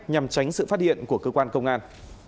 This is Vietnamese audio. nhằm tránh sự phát hiện của cơ quan công an